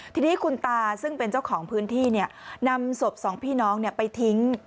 ทีนี้คุณตาซึ่งเป็นเจ้าของพื้นที่นำศพสองพี่น้องไปทิ้ง